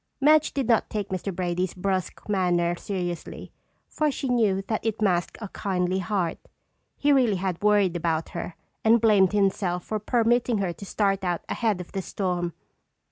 Madge did not take Mr. Brady's brusque manner seriously for she knew that it masked a kindly heart. He really had worried about her and blamed himself for permitting her to start out ahead of the storm.